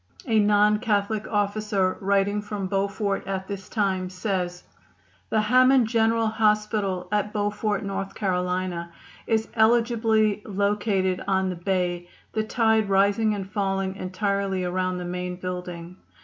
A non Catholic officer writing from Beaufort at this time says: "The Hammond General Hospital, at Beaufort, N. C., is eligibly located on the bay, the tide rising and falling entirely around the main building.